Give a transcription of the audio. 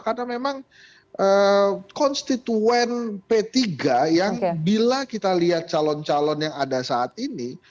karena memang konstituen p tiga yang bila kita lihat calon calon yang ada saat ini